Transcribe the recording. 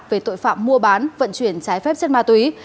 về tội phạm mua bán vận chuyển trái phép chất ma túy